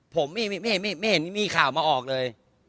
ผมไม่เห็นมีข่าวมาออกเลย